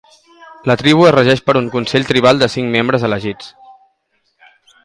La tribu es regeix per un consell tribal de cinc membres elegits.